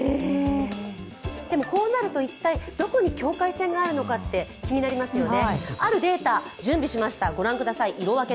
でもこうなると一体、どこに境界線があるのか気になりますよね。